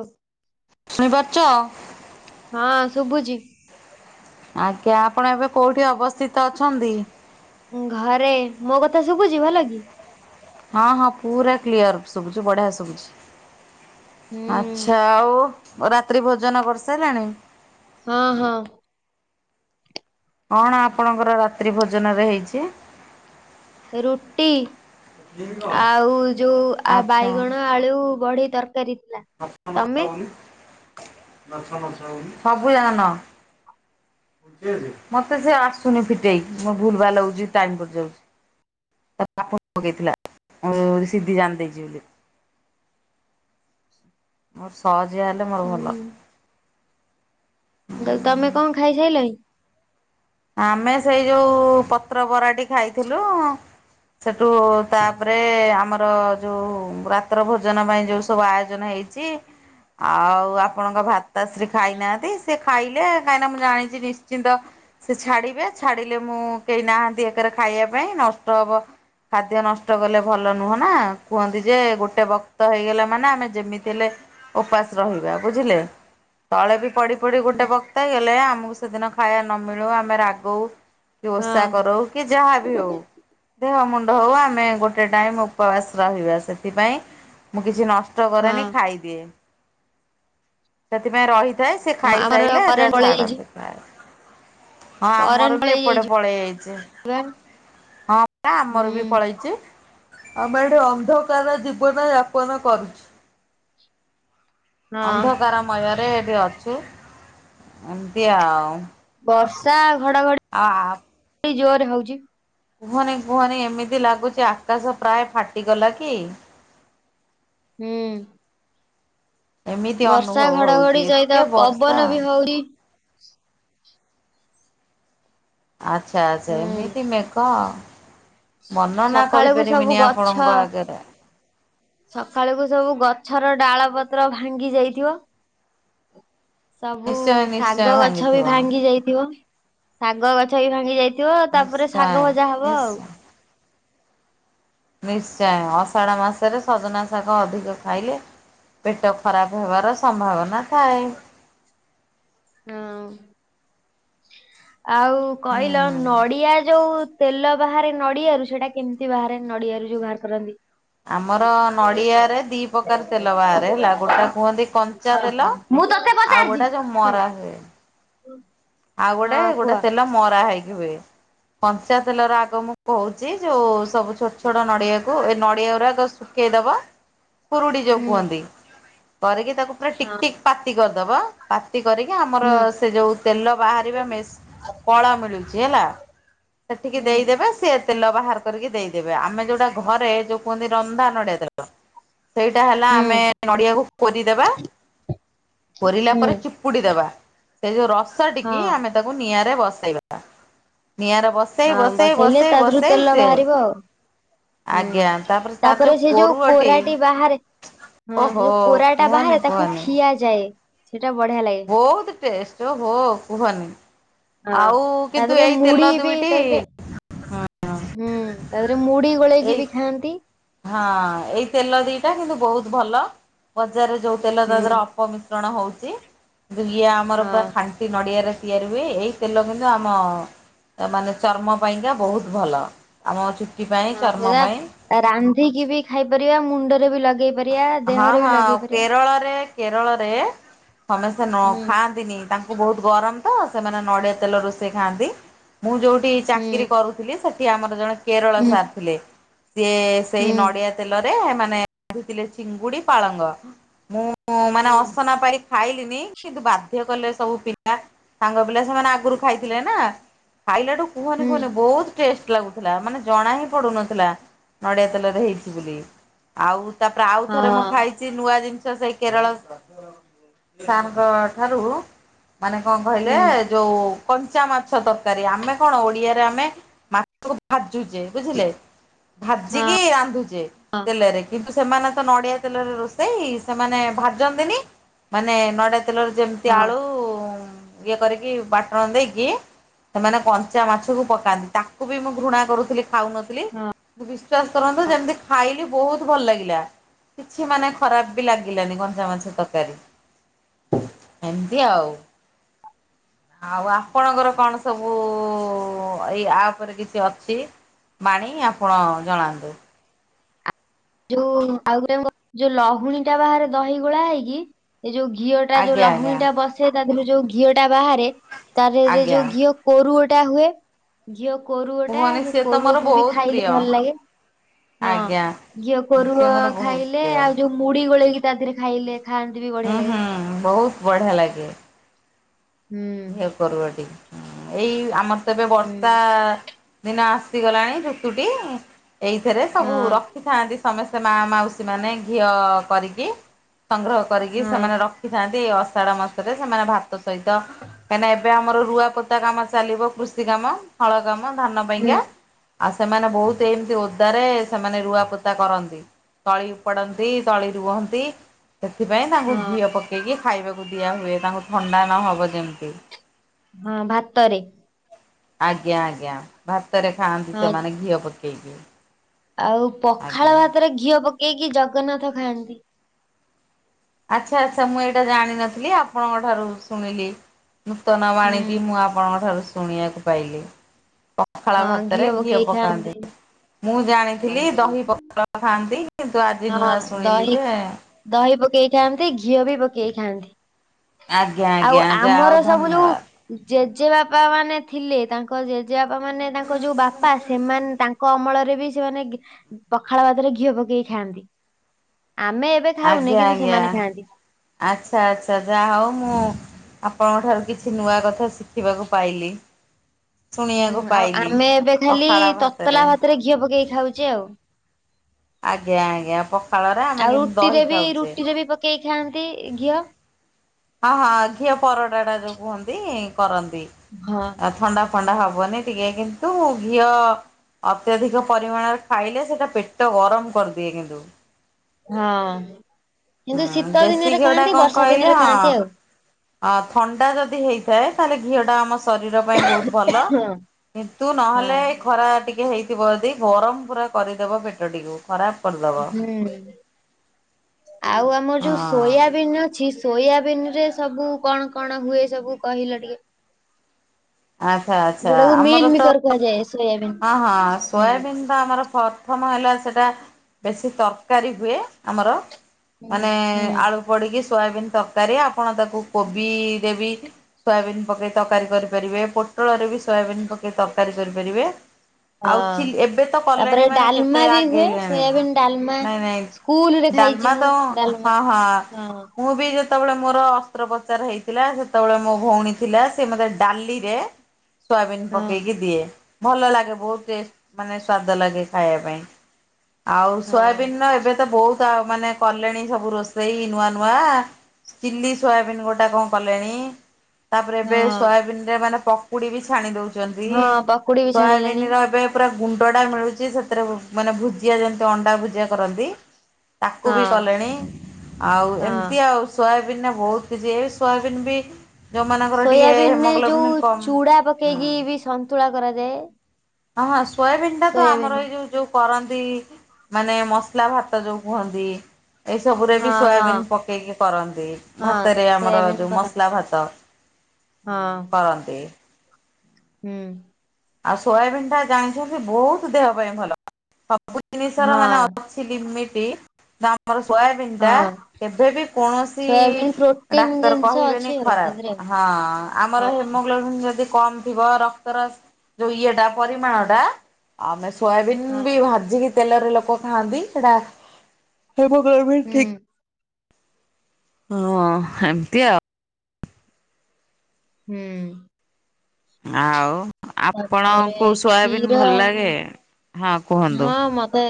ଉଃ। ଶୁଣିପାରୁଛ? ହଁ ଶୁଭୁଛି। ଆଜ୍ଞା ଆପଣ ଏବେ କୋଉଠି ଅବସ୍ଥିତ ଅଛନ୍ତି? ଘରେ ମୋ କଥା ଶୁଭୁଛି ଭଲ କି? ହଁ ହଁ ପୁରା କ୍ଲିଅର ଶୁଭୁଛି ବଢ଼ିଆ ଶୁଭୁଛି ଆଚ୍ଛା ହୁଁ ଓଃ ରାତ୍ରି ଭୋଜନ କରିସାରିଲଣି? ହଁ ହଁ। କଣ ଆପଣଙ୍କର ରାତ୍ରି ଭୋଜନରେ ହେଇଛି? ରୁଟି ଆଉ ଯୋଉ ଆ ଆଚ୍ଛା ବାଇଗଣ ଆଳୁ ଯୋଉ ବଢି ତରକାରୀ ଥିଲା। ତମେ? ସବୁ ଜାଗା ନ ମତେ ସେ ଆସୁନି ଫିଟେଇକି ମୋ ଭୁଲ ଭାଲ ହଉଛି ଟାଇମ ପଡି ଯାଉଛି। ତା ତାପ ପକେଇଥିଲା ମୁଁ ସିଧି ଜାଣି ଦେଇଛି ବୋଲି। ମୋର ସହଜିଆ ହେଲେ ମୋର ହୁଁ ଭଲ। ମୁଁ କହିଲି ତମେ କଣ ଖାଇସାଇଲଣି? ଆମେ ସେଇ ଯୋଉ ପତ୍ର ବରାଟି ଖାଇଥିଲୁ ସେଠୁ ତାପରେ ଆମର ଯୋଉ ରାତ୍ର ଭୋଜନ ପାଇଁ ଯେଉ ସବୁ ଆୟୋଜନ ହେଇଛି। ତି। ଆଉ ଆପଣଙ୍କ ଭାତ ଆଶ୍ରୀ ଖାଇନାହାନ୍ତି ସେ ଖାଇଲେ କାହିଁକିନା ମୁଁ ଜାଣିଛି ନିଶ୍ଚିନ୍ତ ସେ ଛାଡିବେ ଛାଡିଲେ ମୁଁ କେହି ନାହାନ୍ତି ଏକରେ ଖାଇବା ପାଇଁ ନଷ୍ଟ ହବ। ଖାଦ୍ୟ ନଷ୍ଟ କଲେ ଭଲ ନୁହଁ ନା କୁହନ୍ତି ଯେ ଗୋଟେ ଭକ୍ତ ହେଇଗଲେ ମାନେ ଆମେ ଯେମିତି ହେଲେ ଉପାସ ରହିବା ବୁଝିଲେ ତଳେ ବି ପ ଏପରି ଗୋଟେ ବକ୍ତା ହେଲେ ଆମକୁ ସେଦିନ ଖାଇବା ନ ମିିଳୁ ଆମେ ରାଗଉ କି ହଁ ଓଷା କରୁ। କି ଯାହା ବି ହଉ। ଦେହ ମୁଣ୍ଡ ହଉ ଆମେ ଗୋଟେ ଟାଇମ ଉପବାସ ରହିବା ସେଥିପାଇଁ ମୁଁ କିଛି ନଷ୍ଟ କଷ୍ଟ ହଁ କରେନି ଖାଇଦିଏ ସେଥିପାଇଁ ରହି ଯାଏ ସେ ହଁ ଆମର ଖାଇସାଇଲେ ଯା କରେଣ୍ଟ ପଳେଇ ଛାଡ ଯାଇଛି [unintelligible] ହଁ କରେଣ୍ଟ ଆମର ବି ପଳେଇ ଏପଟେ ଯାଇଛି ପଳେଇ ଆଇଚି ବା ହଁ ପା ହୁଁ ଆମର ବି ପଳେଇ ଚି ଆମେ ଏଠି ଅନ୍ଧକାର ଜୀବନ ଯାପନ କରୁଚୁ। ହଁ ଅନ୍ଧକାରମୟରେ ଏଠି ଅଛୁ ଏମିତି ଆଉ। ବର୍ଷା ଘଡଘଡି ଆ ଜୋରରେ ହୋଉଚି। କୁହନି କୁହନି ଏମିତି ଲାଗୁଚି ଆକାଶ ପ୍ରାୟ ଫାଟିଗଲା କି ହୁଁ। ଏମିତି ବର୍ଷା ଅନୁଭବ ହଉଛି ଘଡଘଡି ସହିତ ଏତେ ବର୍ଷା। ପବନ ବି ହୋଉ [unintelligible] ଆଚ୍ଛା ଆଚ୍ଛା ହୁଁ ଏମିତି ମେକ ବର୍ଣ୍ଣନା ସକାଳକୁ ସବୁ କରିପାରିବିନି ଗଛ ଆପଣଙ୍କ ଆଗରେ। ସକାଳକୁ ସବୁ ଗଛର ଡାଳ ପତ୍ର ଭାଙ୍ଗି ଯାଇଥିବ। ସବୁ ନିଶ୍ଚୟ ନିଶ୍ଚୟ ଶାଗ ଗଛ ବି ଭାଙ୍ଗିଥିବ ଭାଙ୍ଗି ଯାଇଥିବ। ଶାଗ ଗଛ ବି ଭାଙ୍ଗି ଯାଇ ଥିବ ତାପରେ ଶାଗ ନିଶ୍ଚୟ। ଭଜା ହବ ଆଉ। ନିଶ୍ଚୟ ନିଶ୍ଚୟ ଅଷାଢ଼ ମାସରେ ସଜନା ଶାଗ ଅଧିକ ଖାଇଲେ ପେଟ ଖରାପ ହେବାର ସମ୍ଭାବନା ଥାଏ। ଆଁ ଉଁ। ଆଉ କହିଲ ନଡିଆ ଯୋଉ ତେଲ ବାହାରେ ନଡିଆରୁ ସେଇଟା କେମିତି ବାହାରେ ନଡିଆରୁ ଯୋଉ ବାହାର କରନ୍ତି? ଆମର ନଡିଆରେ ଦି ପ୍ରକାର ତେଲ ବାହାରେ ହେଲା ଗୋଟେ କୁହନ୍ତି କଞ୍ଚା ତେଲ। ମୁଁ ତାକୁ ଏବେ ଆଉ ଗୋଟେ ଯୋଉ ମରା ହୁଏ। ହୁଁ ଆଉ ଗୋଟେ ହଁ ଗୋଟେ କୁହ ତେଲ ମରା ହେଇକି ହୁଏ। କଞ୍ଚା ତେଲ ର ଆଗ ମୁଁ କୋହୁଚି ଯୋଉ ସବୁ ଛୋଟ ଛୋଟ ନଡିଆ ଏ ନଡିଆ ଗୁଡିଉରାକ ଶୁଖେଇଦବ କୁରୁଡି ଯୋଉ ହୁଁ କୁହନ୍ତି କରିକି ତାକୁ ପୁରା ଟିକ ହଁ ଟିକ ପାତି କରିଦବ ପାତି କରିକି ଆମର ହୁଁ ସେ ଯୋଉ ତେଲ ବାହାରିବା ମେସି କଳା ମିଳୁଚି ହେଲା ସେଠିକ ହୁଁ ଦେଇଦବେ। ସେ ତେଲ ବାହାର କରିକି ଦେଇଦେବେ ଆମେ ଯୋଉଟା ଘରେ ଯୋଉ କୁହନ୍ତି ରନ୍ଧା ନଡିଆ ତେଲ ସେଇଟା ହେଲା ହୁଁ ଆମେ ନଡିଆକୁ କୋରିଦବା। କୋରିଲା ହୁଁ ପରେ ଚିପୁଡି ଦେବା। ସେ ଯୋଉ ରସ ହଁ ଟିକି ଆମେ ତାକୁ ନିଆଁରେ ବସେଇବା ନିଆଁରେ ବସ ହଁ ବସେଇଲେ ତା ଦେରୁ ତେଲ ବାହାରିବ ଆଉ। ହୁଁ ଆଜ୍ଞା ତାର ତାପରେ ସେ ଯୋଉ କୋରୁଅଟି କୋରାଟି ବାହାରେ ହଁ ସେ ଓହୋ ଯୋଉ କୋରାଟା କୁହନି ବାହାରେ ତାକୁ କୁହନି ଖିଆଯାଏ। ସେଇଟା ବଢିଆ ଲାଗେ। ବୋହୁତ ଟେଷ୍ଟ ଓ ହୋ କୁହନି। ହଁ ଆଉ ତା କିନ୍ତୁ ଦେହରେ ଏଇ ତେଲ ମୁଢି ବି ଦୁଇଟି ତାଦେହ ହୁଁ ତାଦେହରେ ମୁଢି ଏଇ ଗୋଳେଇକି ବି ଖାଆନ୍ତି। ହଁ ଏଇ ତେଲ ଦିଟା କିନ୍ତୁ ବୋହୁତ ଭଲ ବଜାରରେ ଯୋଉ ତେଲ ହୁଁ [unintelligible] ଅପମିଶ୍ରଣ ହୋଉଚି କିନ୍ତୁ ଇଏ ଆମର ହଁ। ପୁରା ଖା ଣ୍ଟି ନଡ଼ିଆରେ ତିଆରି ହୁଏ। ଏହି ତେଲ କିନ୍ତୁ ଆମ ମାନେ ଚର୍ମ ପାଇଁକା ବୋହୁତ ଭଲ ଆମ ଚୁଟି ପାଇଁ ହଁ ଚର୍ମ ପାଇଁ ସେଇଟା ରାନ୍ଧିକି ବି ଖାଇପାରିବା ମୁଣ୍ଡରେ ବି ଲଗେଇ ପାରିବା ହଁ ଦେହରେ ବି ହଁ ଲଗେଇ ପାରି କେରଳରେ କେରଳରେ ସମେସ୍ତେ ନ ହୁଁ। ଖାଆନ୍ତିନି ତା ଙ୍କୁ ବୋହୁତ ଗରମ ତ ସେମାନେ ନଡିଆ ତେଲ ରୋଷେଇ ଖାଆନ୍ତି। ମୁଁ ଯୋଉଠି ହୁଁ ଚାକିରି କରୁଥିଲି ସେ ଠି ଆମର ଜଣେ କେରଳ ହୁଁ ସାର୍ ଥିଲେ ସିଏ ସେଇ ହୁଁ ନଡିଆ ତେଲରେ ମାନେ ରାନ୍ଧିଥିଲେ ଚିଙ୍ଗୁଡି ପାଳଙ୍ଗ ମୁଁ ମାନେ ହୁଁ ଅସନା ପାଇକି ଖାଇଲିନି କିନ୍ତୁ ବାଧ୍ୟ କଲେ ସବୁ ପିଲା ସାଙ୍ଗ ପିଲା ସେମାନେ ଆଗରୁ ଖାଇଥିଲେ ନା। ଖାଇଲାଠୁ କୁହନି ହୁଁ କୁହନି ବହୁତ ଟେଷ୍ଟ ଲାଗୁଥିଲା। ମାନେ ଜଣା ହିଁ ପଡୁ ନଥିଲା ନଡିଆ ତେଲରେ ହେଇଛି ବୋଲି। ଆଉ ତାପରେ ଆଉ ଥରେ ମୁଁ ହଁ ଖାଇ କିଛି ନୂଆ ଜିନିଷ ସେଇ କେରଳ ସାରଙ୍କ ଠାରୁ ମାନେ କଣ କହିଲେ ହୁଁ ଯୋଉ କଞ୍ଚା ମାଛ ତରକାରୀ। ଆମେ କଣ ଓଡିଆରେ ଆମେ ଭାଜୁଛେ ବୁଝିଲେ ହଁ ଭାଜିକି ରାନ୍ଧୁଛେ ତେଲରେ। କିନ୍ତୁ ସେମାନେ ତ ନଡିଆ ତେଲରେ ରୋଷେଇ ସେମାନେ ଭାଜନ୍ତିନି ମାନେ ନଡିଆ ତେଲରେ ଯେମିତି ହଁ। ଆଳୁ ଇଏ କରିକି ବାଟଣ ଦେଇକି ସେମାନେ କଞ୍ଚା ମାଛକୁ ପକାନ୍ତି। ତାକୁ ବି ମୁଁ ଘୃଣା କରୁଥିଲି। ଖାଉନଥିଲି। ବିଶ୍ଵାସ କରନ୍ତୁ ଯେମିତି ଖାଇଲି ବହୁତ ଭଲ ଲାଗିଲା। କିଛି ମାନେ ଖରାପ ବି ଲାଗିଲାନି ଘଞ୍ଚା ମାଛ ତରକାରୀ। ଏମିତି ଆଉ। ଆଉ ଆପଣଙ୍କର କଣ ସବୁ ଏଇ ଆପରେ କିଛି ଅଛି। ବାଣୀ ଆପଣ ଜଣାନ୍ତୁ। ଯୋଉ ଆଉ ଯୋଉ ଲହୁଣୀ ଟା ବାହାରେ ଦହି ଗୋଳା ହେଇକି। ଏ ଯୋଉ ଘିଅ ଟା ଯୋଉ ଆଜ୍ଞା ଲହୁଣୀ ଆଜ୍ଞା ଟା ବସେ ତା ଦେହରୁ ଯୋଉ ଘିଅ ଟା ବାହାରେ। ତାରରେ ଆଜ୍ଞା ଯୋଉ ଘିଅ କୋରୁଅ ଟା ହୁଏ। ଝିଅ କୋରୁଅଟା କୁହନି ସେ ସିଏ ତ ମୋର କୋରୁଅକୁ ବି ବହୁତ ଖାଇଲେ ପ୍ରିୟ। ଭଲ ଲାଗେ। ହଁ। ଆଜ୍ଞା ଇଏ ସେ କୋରୁଅ ମୋର ବହୁତ ଖାଇଲେ ପ୍ରିୟ। ଆଉ ଯୋଉ ମୁଢି ଗୋଳେଇକି ତା ଦେହରେ ଖାଇଲେ ଖାଆନ୍ତି। ବି ଗ ହୁଁ ହୁଁ ବହୁତ ବଢିଆ ଲାଗେ। ହୁଁ। କୋରୁଅ ଟିକେ ଏଇ ଆମର ତ ଏବେ ହୁଁ ବର୍ଷା ଦିନ ଆସିଗଲାଣି ଋତୁଟି। ଏଇଥିରେ ସବୁ ହଁ ରକ୍ ରଖିଥାନ୍ତି ସମସ୍ତେ ମା ମାଉସୀ ମାନେ ଘିଅ କରିକି। ସଂଗ୍ରହ କରିକି ହଁ ସେମାନେ ର ଶଖିଥାନ୍ତି ଅଷାଢ ମାସରେ ସେମାନେ ଭାତ ସହିତ କାହିଁକିନା ଏବେ ଆମର ରୁଆ ପୋତା କାମ ଚାଲିବ କୃଷି କାମ। ହଳକାମ ଧାନ ହୁଁ ପାଇଁକା। ଆଉ ସେମାନେ ବହୁତ ଏମିତି ଓ ରେ ସେମାନେ ରୁଆ ପୋତା କରନ୍ତି। ତଳି ଉପଡନ୍ତି ତଳି ରୁହନ୍ତି। ସେଥିପାଇଁ ତାଙ୍କୁ ହଁ ଘିଅ ପକେଇକି ଖାଇବାକୁ ଦିଆ ହୁଏ। ତାଙ୍କୁ ଥଣ୍ଡା ନହବ ଯେମିତି। ହଁ ଭାତରେ। ଆଜ୍ଞା ଆଜ୍ଞା ଭାତରେ ଖାଆନ୍ତି ହଁ ସେମାନେ ଘିଅ ପକେଇକି। ଆଉ ପଖାଳ ଆଜ୍ଞା। ଭାତରେ ଘିଅ ପକେଇକି ଜଗନ୍ନାଥ ଖାଆନ୍ତି। ଆଚ୍ଛା ଆଚ୍ଛା ମୁଁ ଏଇଟା ଜାଣିନଥିଲି। ଆପଣଙ୍କ ଠାରୁ ଶୁଣିଲି। ନୂତନ ହୁଁ ଆଣିକି ମୁଁ ଆପଣଙ୍କ ଠାରୁ ଶୁଣିବାକୁ ପାଇଲି ପଖାଳ ହଁ ଭାତରେ ଘିଅ ପକେଇ ପକାନ୍ତି। ଖାଆନ୍ତି। ମୁଁ ଜାଣିଥିଲି ଦହି ପଖାଳ ଖାଆନ୍ତି। କିନ୍ତୁ ଆଜି ହଁ ନୂଆ ଶୁଣିଲି ଦହି ଯେ ଦହି ପକେଇ ଖାଆନ୍ତି। ଘିଅ ବି ପକେଇ ଖାଆନ୍ତି। ଆଜ୍ଞା ଆଉ ଆଜ୍ଞା ଯାହା ଆମର ହଉ ସବୁ ଧନ୍ୟବାଦ। ଯୋଉ ଜେଜେବାପା ମାନେ ଥିଲେ। ତାଙ୍କ ଜେଜେବାପା ମାନେ ତାଙ୍କ ଯୋଉ ବାପା ସେମାନେ ତାଙ୍କ କ ଅମଳରେ ବି ସେମାନେ ଘି ପଖାଳ ଭାତରେ ଘିଅ ପକେଇ ଖାଆନ୍ତି। ଆମେ ଏବେ ଆଜ୍ଞା ଥାଉନି କିନ୍ତୁ ଆଜ୍ଞା ସେମାନେ ଖାଆନ୍ତି। ଆଚ୍ଛା ଆଚ୍ଛା। ଯା ହଉ ମୁଁ ଆପଣଙ୍କ ଠାରୁ କିଛି ନୂଆ କଥା ଶିଖିବାକୁ ପାଇଲି। ହୁଁ ଶୁଣିବାକୁ ଆଉ ପାଇଲି। ଆମେ ଏବେ ଖାଲି ତତଲା ଭାତରେ ଘିଅ ପକେଇକି ଖାଉଛେ ଆଉ। ଆଜ୍ଞା ଆଜ୍ଞା। ପଖାଳରେ ଆମେ ଆଉ କେମିତି ରୁଟିରେ ଦହି ବି ଖାଉଛେ। ରୁଟିରେ ବି ପକେଇ ଖାଆନ୍ତି ଘିଅ। ହଁ ହଁ ଘିଅ ପରଟା ଟା ଯୋଉ କୁହନ୍ତି କରନ୍ତି। ହଁ। ଅ ଥଣ୍ଡା ଫଣ୍ଡା ହବନି। ଟିକେ କିନ୍ତୁ ଘିଅ ଅତ୍ୟଧିକ ପରିମାଣରେ ଖାଇଲେ ସେଇଟା ପେଟ ଗରମ କରିଦିଏ କିନ୍ତୁ। ହଁ କିନ୍ତୁ ହୁଁ ଶୀତ ଦେଶୀ ଦିନରେ ଘିଅଟା ଖାଆନ୍ତି। କଣ ବର୍ଷା କହିଲେ ଦିନରେ ହଁ ଖାଆନ୍ତି ଆଉ। ଅ ଥଣ୍ଡା ଯଦି ହେଇଥାଏ। ତାହେଲେ ଘିଅ ଟା ଆମ ଶରୀର ପାଇଁ ବହୁତ ଭଲ ହଁ କିନ୍ତୁ ନହେଲେ ଖରା ଟିକେ ହେଇ ଥିବ ଦେଇ ଗରମ ପୁରା କରିଦବ ପେଟଟିକୁ। ଖରାପ ପଡ଼ଦ ହୁଁ ଆଉ ଆମର ଯୋଉ ହଁ ସୋୟାବିନ୍ ଅଛି ସୋୟାବିିନ ରେ ସବୁ କଣ କଣ ହୁଏ ସବୁ କହିଲ ଟିକେ? ଆଚ୍ଛା ଆ ଯୋଉଟାକୁ ମିଲ୍ ମିକର କୁହାଯାଏ। ସୋୟାବିନ୍। ହଁ ହଁ ହୁଁ ସୋୟବିନ୍ ତ ଆମର ପ୍ରଥମ ହେଲା ସେଟା ବେଶୀ ତରକାରୀ ହୁଏ ଆମର। ହୁଁ। ମାନେ ହୁଁ। ଆଳୁ ପଡିକି ସୋୟାବିିନ ତରକାରୀ ଆପଣ ତାକୁ କୋବି ଦେବି ସୋୟାବିିନ ପକେଇ ତରକାରୀ କରିପାରିବେ ପୋଟଳରେ ବି ସୋୟାବିିନ ପକେଇ ତରକାରୀ କରିପାରିବେ। ଆଉ ହଁ ଚିଲ୍ ଏବେ ତ କଲେଣି ତାପରେ ମାନେ କେତେ ଡାଲମା ବି ହୁଏ ଆଗେଇଲେଣି ସୋୟାବିନ୍ ଡାଲମା। ନାଇଁ ନାଇଁ ସ୍କୁଲ ରେ ଖାଇଛି ଡାଲମା ମୁଁ ତ ଡାଲମା ହଁ ହଁ ହଁ ମୁଁ ବି ଯେତେବେଳେ ମୋର ଅସ୍ତ୍ରୋପଚାର ହେଇଥିଲା ସେତେବେଳେ ମୋ ଭଉଣୀ ଥିଲା ସେ ମୋତେ ଡାଲି ରେ ହ ସୋୟାବିିନ ପକେଇକି ଦିଏ ଭଲ ଲାଗେ ବହୁତ ଟେଷ୍ଟ ମାନେ ସ୍ଵାଦ ଲାଗେ ଖାଇବା ପାଇଁ। ଆଉ ହଁ। ସୋୟାବିିନର ଏବେ ତ ବହୁତ ଆଉ ମାନେ କଲେଣି ସବୁ ରୋଷେଇ ନୂଆ ନୂଆ। ଚିଲ୍ଲି ସୋୟାବିନ୍ ଗୋଟା କଣ କଲେଣି? ତାପରେ ଏବେ ହଁ ସୋୟାବିନ୍ ରେ ମାନେ ପକୁଡି ବି ଛାଣି ଦଉଛନ୍ତି ହଁ ପକୁଡି ବି ସୋୟ ଛାଣିଲେଣି ଏବେ ପୁରା ଗୁଣ୍ଡ ଟା ମିଳୁଛି ସେଥିରେ ମାନେ ଭୁଜିଆ ଯେମତି ଅଣ୍ଡା ଭୁଜିଆ କରନ୍ତି। ତାକୁ ହଁ ବି କଲେଣି ଆଉ ହଁ। ଏମିତି ଆଉ ସୋୟାବିିନ୍ ରେ ବହୁତ କିଛି ଏ ସୋୟାବିିନ୍ ବି ଯୋଉମାନଙ୍କର ଟିକେ ସୋୟାବିିନ୍ ରେ ଯୋଉ ହେମୋଗ୍ଲୋବିନ୍ କମ୍ ଚୁଡା ପକେଇକି ହୁଁ। ବି ସନ୍ତୁଳା କରାଯାଏ। ହଁ ହଁ ସୋୟାବିନ୍ ଟା ତ ସୋୟାବିନ୍ ଆମର ଏଇ ଯୋଉ ଯୋଉ କରନ୍ତି ମାନେ ମସଲା ଭାତ ଯୋଉ କୁହନ୍ତି। ଏଇସବୁରେ ବି ହଁ ହଁ ସୋୟାବିିନ୍ ପକେଇକି କରନ୍ତି ହଁ ଭାତରେ ଆମର ସୋୟାବିନ୍ ଯଉ କରା ମସଲା ଭାତ। ହଁ। କହନ୍ତି। ହୁଁ। ଆଉ ସୋୟାବିନ୍ ଟା ଜାଣିଛନ୍ତି ବହୁତ ଦେହ ପାଇଁ ଭଲ ସବୁ ହଁ ଜିନିଷର ମାନେ ଲିମିଟି ବା ଆମର ସୋୟାବିନ୍ ହଁ ଟା ହଁ କେବେ ବି କୌଣସି ସୋୟାବିନ୍ ପ୍ରୋଟିନ ଡାକ୍ତର ଜିନିଷ କହିବେନି ଅଛି ଆଉ ତା ଦେହରେ। ଖରାପ ହଁ ହଁ ଆମର ହେମୋଗ୍ଲୋବିନ୍ ଯଦି କମ ଥିବ ରକ୍ତର ଯୋଉ ଇଏଟା ପରିମାଣ ଟା ଆମେ ସୋୟାବିନ୍ ହଁ ବି ଭାଜିକି ତେଲରେ ଲୋକ ଖାଆନ୍ତି ସେଟା ହେମୋଗ୍ଲୋବିନ୍ ହୁଁ ଠିକ ହଁ ଏମିତି ଆଓ ହୁଁ। ଆଉ ତାପରେ ଆପଣଙ୍କୁ ସୋୟାବିନ୍ କ୍ଷୀର ଭଲ ଲାଗେ। ହଁ କୁହନ୍ତୁ। ହଁ ମତେ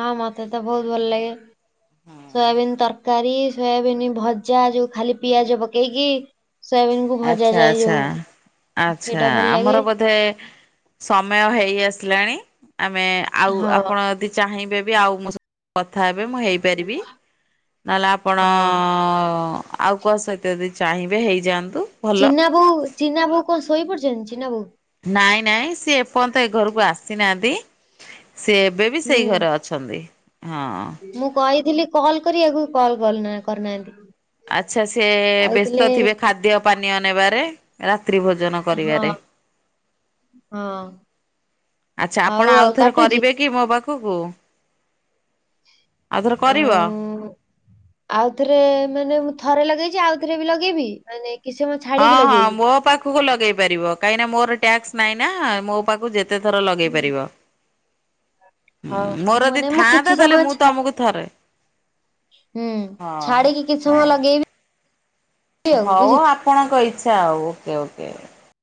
ହଁ ମତେ ତ ବହୁତ ଭଲ ଲାଗେ ସୋୟାବିନ୍ ତର କାରୀ ସୋୟାବିନ୍ ଭଜା ଯଉ ଖାଲି ପିଆଜ ପକେଇକି। ସୋୟାବିନ୍ କୁ ଭଜା ଆଚ୍ଛା ଯାଏ ଆଚ୍ଛା ଯୋଉ ଆଚ୍ଛା ସେଇଟା ଭଲ ଲାଗେ ଆମର ବୋଧେ ସମୟ ହେଇ ଆସିଲାଣି ଆମେ ଆଉ ହଁ ଆପଣ ୟଦି ଚାହିଁବେ ବି ଆଉ ମୋ ସ କଥା ହେବେ ମୁଁ ହେଇପାରିବି। ନହେଲେ ଆପଣ ହଁ। ଆଉ କୁହା ସହିତ ଯଦି ଚାହିଁବେ ହେଇଯାଆନ୍ତୁ। ଭଲ। ଚିନା ବୋଉ ଚିନା ବୋଉ କଣ ଶୋଇ ପଡଛନ୍ତି ଚିନା ବୋଉ? ନାଇଁ ନାଇଁ ସିଏ ଏପର୍ଯ୍ୟନ୍ତ ଏ ଘରକୁ ଆସିନାହାନ୍ତି ସି ଏବେ ବି ହୁଁ ସେଇ ଘରେ ଅ ଛନ୍ତି ହଁ। ମୁଁ କହିଥିଲି କଲ କରିଆକୁ କଲ କଲନା କରିନାହାନ୍ତି। ଆଚ୍ଛା ସେ କହିଥିଲେ ବ୍ୟସ୍ତ ଥିବେ ଖାଦ୍ୟ ପାନୀୟ ନେବାରେ ରାତ୍ରି ଭୋଜନ ହଁ କରିବାରେ। ହଁ। ଆଚ୍ଛା ହଉ ଆପଣ ଆଉ ଥରେ କାଟୁଚି। କରିବେ। କି ମୋ ପାଖକୁ ଆଉଥରେ କରିବ? ଆଉ ଆଉଥରେ ମାନେ ମୁଁ ଥରେ ଲଗେଇଛି ଆଉଥରେ ବି ଲଗେଇବି ମାନେ କିଛି ସମୟ ଛାଡିକି ହଁ ହଁ ଲଗେଇବି। ମୋ ପାଖକୁ ଲଗେଇ ପାରିବ କାହିଁକି ନା ମୋର ଟ୍ୟାକ୍ସ ନାଇଁ ନା ମୋ ପାଖକୁ ଯେତେ ଥର ଲଗେଇ ହୁଁ। ପାରିବ। ହଉ ହୁଁ ମୋର ଯଦି ମାନେ ମୁଁ ଥାଆନ୍ତା କିଛି ତାହେଲେ ସମୟ ମୁଁ ଛା ତମକୁ ଥରେ ହୁଁ ଛାଡିକି କିଛି ହଁ ହ ସମୟ ଲଗେଇବି ହଉ ଆଉ ଆପଣଙ୍କ ଇଚ୍ଛା ଆଉ ଓକେ ଓକେ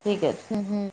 ଠିକ୍ ଅଛି। ହୁଁ ହୁଁ।